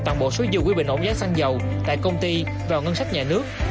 toàn bộ số dư quỹ bình ổn giá xăng dầu tại công ty vào ngân sách nhà nước